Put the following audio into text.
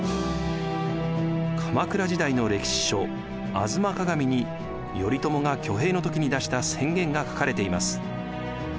鎌倉時代の歴史書「吾妻鏡」に頼朝が挙兵の時に出した宣言が書かれています。